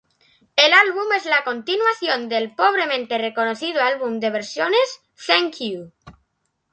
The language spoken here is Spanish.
El álbum es la continuación de el pobremente recibido álbum de versiones "Thank You".